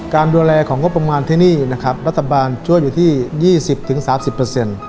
การดูแลของงบประมาณที่นี่นะครับรัฐบาลช่วยอยู่ที่ยี่สิบถึงสามสิบเปอร์เซ็นต์